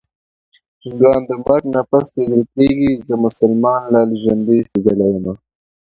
هندوان د مرګ نه پس سېزل کړي-زه مسلمان لالي ژوندۍ سېزلې یمه